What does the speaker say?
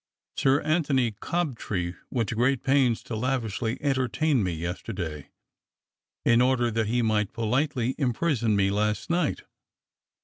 Sir Antony Cobtree went to great pains to lavishly enter tain me yesterday, in order that he might politely im prison me last night.